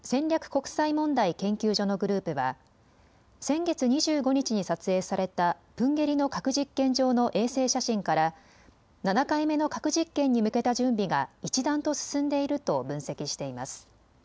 国際問題研究所のグループは先月２５日に撮影されたプンゲリの核実験場の衛星写真から７回目の核実験に向けた準備が一段と進んでいると分析しています。